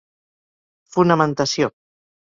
Fonamentació: